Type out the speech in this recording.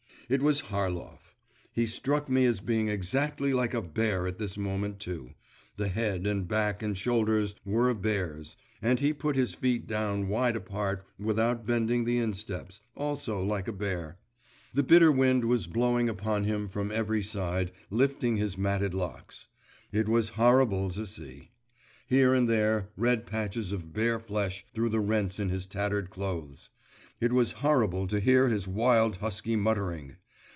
It was Harlov. He struck me as being exactly like a bear at this moment too; the head, and back, and shoulders were a bear's, and he put his feet down wide apart without bending the insteps also like a bear. The bitter wind was blowing upon him from every side, lifting his matted locks. It was horrible to see, here and there, red patches of bare flesh through the rents in his tattered clothes; it was horrible to hear his wild husky muttering.